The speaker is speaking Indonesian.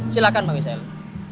silahkan mbak michelle